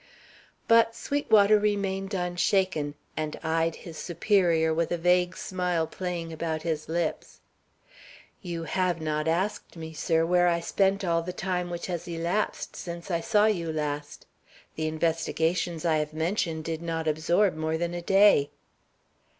But Sweetwater remained unshaken, and eyed his superior with a vague smile playing about his lips. "You have not asked me, sir, where I have spent all the time which has elapsed since I saw you last. The investigations I have mentioned did not absorb more than a day."